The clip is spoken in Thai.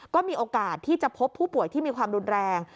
ก็มีโอกาสที่จะพบผู้ป่วยที่มีความรุนแรง